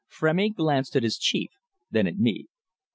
Frémy glanced at his chief, then at me.